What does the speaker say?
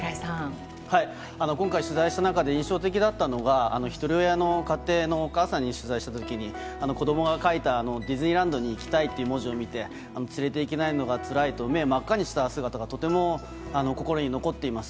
今回、取材した中で印象的だったのが、一人親の家庭のお母さんに取材したときに、子どもが書いたディズニーランドに行きたいっていう文字を見て、つれていけないのがつらいと、目を真っ赤にした姿がとても心に残っています。